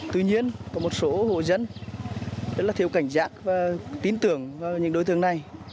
tuy nhiên có một số hồ dân rất là thiếu cảnh giác và tin tưởng vào những đối tượng này